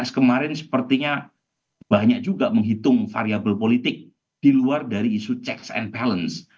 tapi sayangnya seribu sembilan ratus lima puluh enam sepertinya banyak juga menghitung variable politik diluar dari isu check and balance